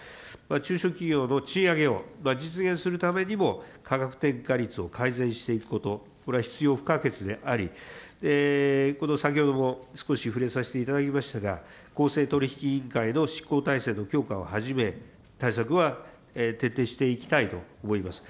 中小企業の賃上げを実現するためにも、価格転嫁率を改善していくこと、これは必要不可欠であり、先ほども少し触れさせていただきましたが、公正取引委員会の執行体制の強化をはじめ、対策は徹底していきたいと思います。